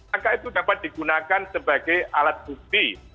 maka itu dapat digunakan sebagai alat bukti